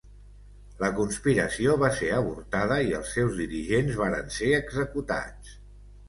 La conspiració va ser avortada i els seus dirigents varen ser executats.